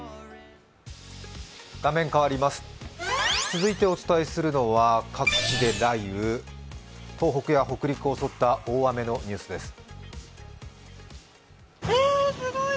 続いてお伝えするのは各地で雷雨、東北や北陸を襲った大雨のニュースです。